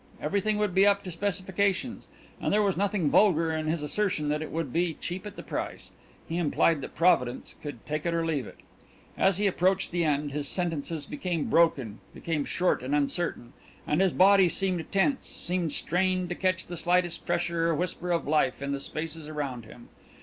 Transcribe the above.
Everything would be up to specifications, and there was nothing vulgar in his assertion that it would be cheap at the price. He implied that Providence could take it or leave it. As he approached the end his sentences became broken, became short and uncertain, and his body seemed tense, seemed strained to catch the slightest pressure or whisper of life in the spaces around him.